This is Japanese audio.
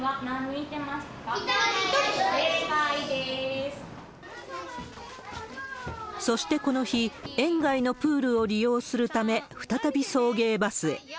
１人、そしてこの日、園外のプールを利用するため、再び送迎バスへ。